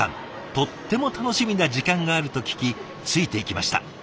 とっても楽しみな時間があると聞きついていきました。